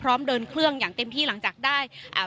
เดินเครื่องอย่างเต็มที่หลังจากได้อ่า